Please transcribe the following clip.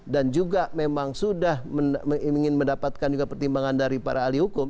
dan juga memang sudah ingin mendapatkan pertimbangan dari para ahli hukum